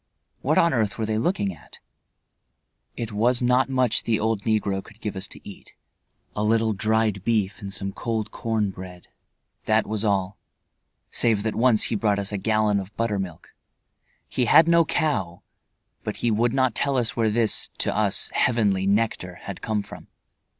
What on earth were they looking at? It was not much the old negro could give us to eat. A little dried beef and some cold corn bread; that was all, save that once he brought us a gallon of buttermilk. He had no cow, but he would not tell us where this, to us, heavenly nectar had come from.